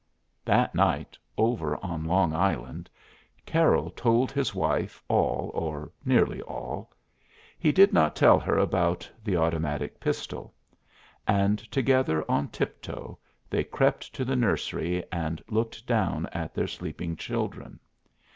That night, over on Long Island, Carroll told his wife all, or nearly all. He did not tell her about the automatic pistol. And together on tiptoe they crept to the nursery and looked down at their sleeping children.